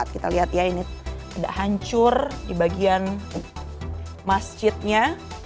kita lihat ya ini ada hancur di bagian masjidnya